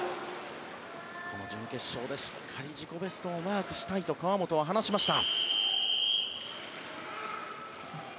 準決勝でしっかり自己ベストをマークしたいと川本は話しました。